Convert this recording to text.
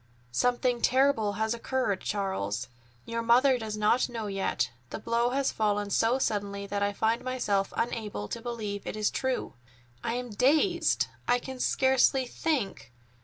"Something terrible has occurred, Charles. Your mother does not know yet. The blow has fallen so suddenly that I find myself unable to believe it is true. I am dazed. I can scarcely think.